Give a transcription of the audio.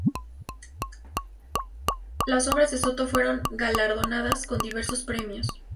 Las obras de Soto fueron galardonadas con diversos premios.